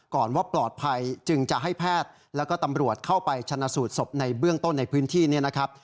ก่อนว่าปลอดภัยจึงจะให้แพทย์แล้วก็ตำรวจเข้าไปชนะสูตรศพในเบื้องต้นในพื้นที่เนี่ยนะครับ